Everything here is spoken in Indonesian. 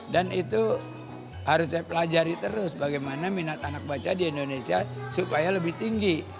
dan itu harus saya pelajari terus bagaimana minat anak baca di indonesia supaya lebih tinggi